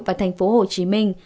và thành phố hồ chí minh